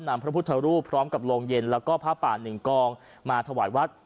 พระพุทธรูปพร้อมกับโรงเย็นแล้วก็ผ้าป่าหนึ่งกองมาถวายวัด